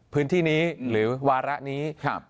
พื้นที่นี้หรือวาระนี้